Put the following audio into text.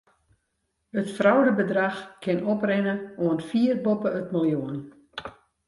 It fraudebedrach kin oprinne oant fier boppe it miljoen.